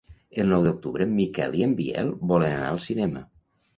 El nou d'octubre en Miquel i en Biel volen anar al cinema.